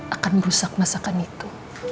akan merusak masakan itu